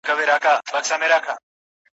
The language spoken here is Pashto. استاد د ليکني بڼه څنګه سموي؟